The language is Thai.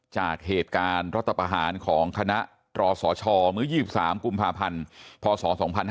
จากเหตุการณ์รัฐประหารของคณะตรสชเมื่อ๒๓กุมภาพันธ์พศ๒๕๕๙